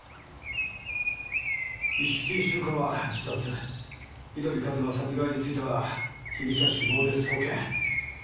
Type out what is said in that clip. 一色朱子は自殺井鳥一馬殺害については被疑者死亡で送検。